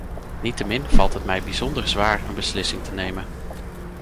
Niettemin valt het mij bijzonder zwaar een beslissing te nemen.